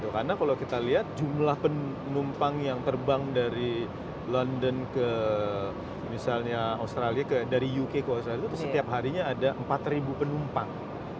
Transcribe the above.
karena kalau kita lihat jumlah penumpang yang terbang dari london ke misalnya australia ke dari uk ke australia itu setiap harinya ada empat ribu penumpang